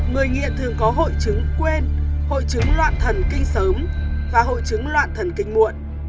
người nghiện thường có hội chứng quên hội chứng loạn thần kinh sớm và hội chứng loạn thần kinh muộn